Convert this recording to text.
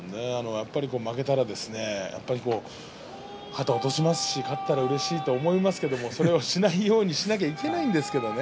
やっぱり負けたら肩を落としますし勝ったらうれしいと思いますけどそれをしないようにしなきゃいけないんですけどね。